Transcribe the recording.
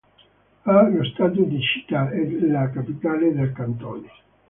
Ha lo status di città ed è la capitale del cantone.